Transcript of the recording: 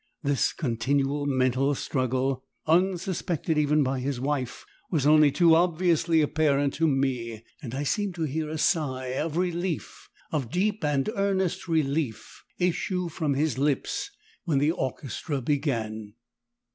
This continual mental struggle, unsuspected even by his wife, was only too obviously apparent to me, and I seemed to hear a sigh of relief of deep and earnest relief issue from his lips when the orchestra began.